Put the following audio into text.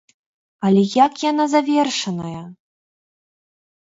Але як яна завершаная?